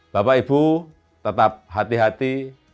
bapak ibu tetap hati hati